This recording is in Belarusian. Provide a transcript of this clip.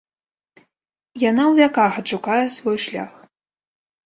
Яна ў вяках адшукае свой шлях.